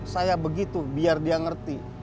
saya begitu biar dia ngerti